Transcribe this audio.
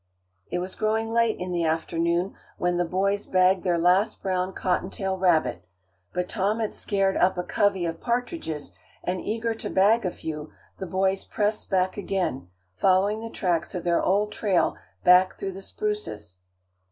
It was growing late in the afternoon when the boys bagged their last brown cottontail rabbit, but Tom had scared up a covey of partridges, and eager to bag a few, the boys pressed back again, following the tracks of their old trail back through the spruces.